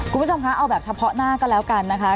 คุณผู้ชมคะเอาแบบเฉพาะหน้าก็แล้วกันนะคะ